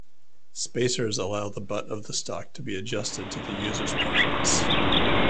Spacers allow the butt of the stock to be adjusted to the user's preference.